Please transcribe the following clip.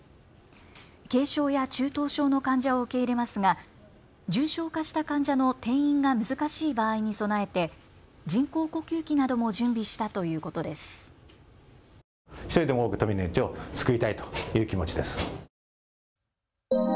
軽症や中等症の患者を受け入れますが重症化した患者の転院が難しい場合に備えて人工呼吸器なども準備したということです。